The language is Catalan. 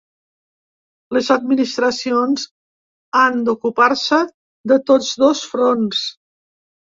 Les administracions han d’ocupar-se de tots dos fronts.